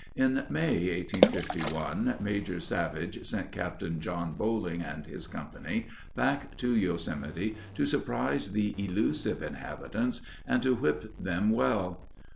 In May, 1851, Major Savage sent Captain John Boling and his company back to Yosemite to surprise the elusive inhabitants and to whip them well.